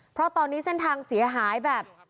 เพราะตอนนี้เส้นทางเสียหายแบบ